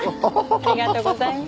ありがとうございます。